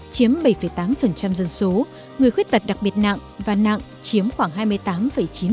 chiếm bảy tám dân số người khuyết tật đặc biệt nặng và nặng chiếm khoảng hai mươi tám chín